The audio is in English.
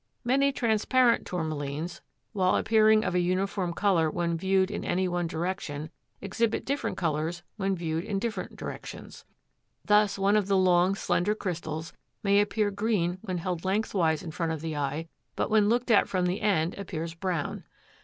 Many transparent Tourmalines, while appearing of a uniform color when viewed in any one direction, exhibit different colors when viewed in different directions. Thus, one of the long, slender crystals may appear green when held lengthwise in front of the eye, but when looked at from the end appears brown.